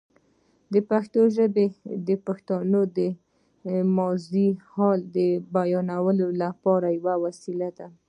پښتو ژبه د پښتنو د ماضي او حال بیانولو لپاره یوه وسیله ده.